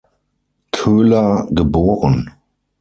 Koehler geboren.